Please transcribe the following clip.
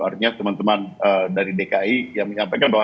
artinya teman teman dari dki yang menyampaikan bahwa